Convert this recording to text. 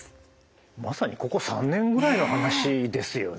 まさにここ３年ぐらいの話ですよね。